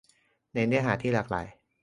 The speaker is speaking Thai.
ในเนื้อหาที่หลากหลาย